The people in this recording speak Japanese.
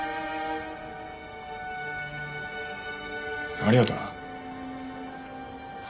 ありがとな。